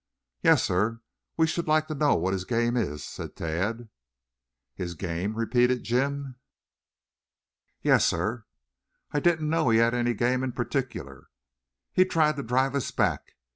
"Yes, sir, we should like to know what his game is," said Tad. "His game?" repeated Jim. "Yes, sir." "I didn't know he had any game in particular." "He tried to drive us back.